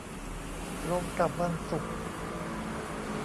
ตรงกับวันศุกร์